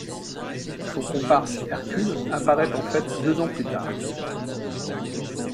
Son comparse Hercule apparaît en fait deux ans plus tard.